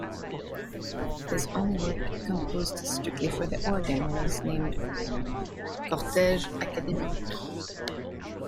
His only work composed strictly for the organ was named "Cortege academique".